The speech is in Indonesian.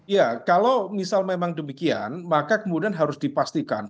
ya kalau misal memang demikian maka kemudian harus dipastikan